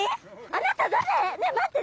あなた誰！？ねえ待って！